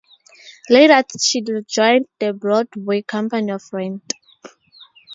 Later, she joined the Broadway company of "Rent".